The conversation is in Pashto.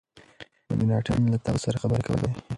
مکناټن له هغه سره خبري کولې.